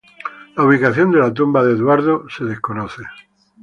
La ubicación de la tumba de Eduardo es desconocido.